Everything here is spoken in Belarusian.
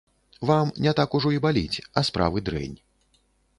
Вам не так ужо і баліць, а справы дрэнь.